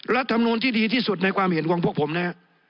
รัฐมนูลที่ดีที่สุดในความเห็นของพวกผมนะฮะ